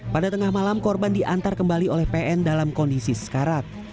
pada tengah malam korban diantar kembali oleh pn dalam kondisi sekarat